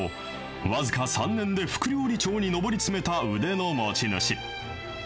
僅か３年で副料理長に上り詰めた腕の持ち主。